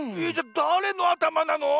だれのあたまなの？